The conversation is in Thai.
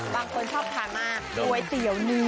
บางคนชอบทานมากก๋วยเตี๋ยวเนื้อ